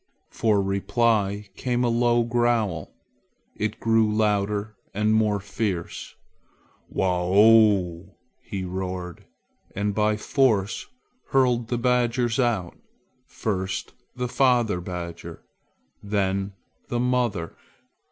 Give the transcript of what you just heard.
For reply came a low growl. It grew louder and more fierce. "Wa ough!" he roared, and by force hurled the badgers out. First the father badger; then the mother.